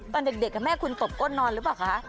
ตอนเด็กแม่คุณตบก้นนอนหรือเปล่าคะ